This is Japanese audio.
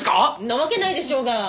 なわけないでしょうが！